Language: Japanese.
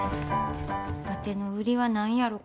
わての売りは何やろか？